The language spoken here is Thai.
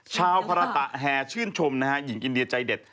ชาวภาระตะแห่ชื่นชมนะฮะหญิงอินเดียใจเด็ด